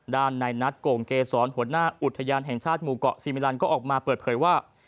ในนัดโก่งเกศรหัวหน้าอุทยานแห่งชาติหมู่เกาะซีมิลันก็ออกมาเปิดเผยว่า